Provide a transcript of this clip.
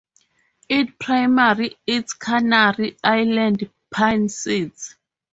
It primarily eats Canary Island pine seeds.